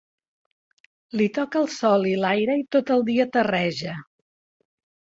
Li toca el sol i l'aire i tot el dia terreja.